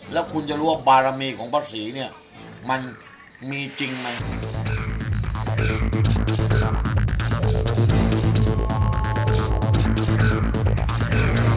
แล้วคุณจะรู้ว่าบารมีของพระศรีเนี่ยมันมีจริงไหม